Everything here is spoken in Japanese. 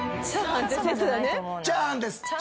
チャーハンです。